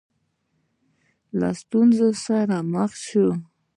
له ستونزو سره مخامخ سوه.